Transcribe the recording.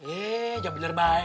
eh jawab benar baik